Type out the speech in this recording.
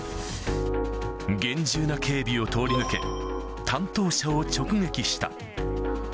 厳重な警備を通り抜け、担当者を直撃した。